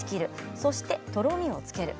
そして、とろみをつける。